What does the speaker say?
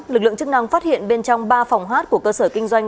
lực lượng chức năng phát hiện bên trong ba phòng hát của cơ sở kinh doanh